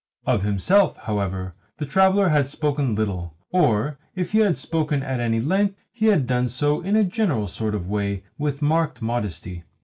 Of himself, however, the traveller had spoken little; or, if he had spoken at any length, he had done so in a general sort of way and with marked modesty.